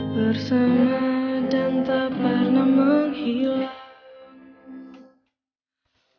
bersama dan tak pernah menghilang